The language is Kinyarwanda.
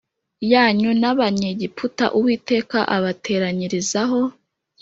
yanyu n Abanyegiputa Uwiteka abateranyirizaho